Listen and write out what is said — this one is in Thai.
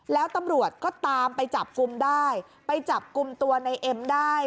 แล้วตำรวจก็ตามไปจับกลุ่มได้ไปจับกลุ่มตัวในเอ็มได้